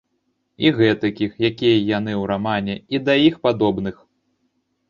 І гэтакіх, якія яны ў рамане, і да іх падобных.